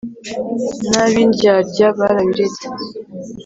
n'ab'indyadya barabiretse